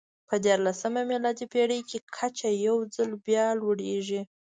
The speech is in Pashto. په دیارلسمه میلادي پېړۍ کې کچه یو ځل بیا لوړېږي.